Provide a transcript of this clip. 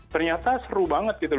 ternyata seru banget gitu